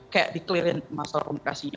kayak di clear in masalah komunikasinya